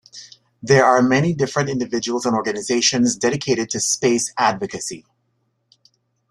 There are many different individuals and organizations dedicated to space advocacy.